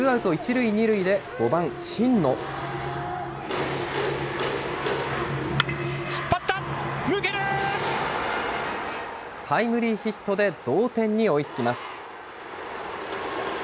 ７回、引っ張った、タイムリーヒットで同点に追いつきます。